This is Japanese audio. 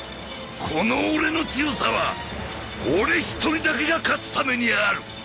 この俺の強さは俺一人だけが勝つためにある！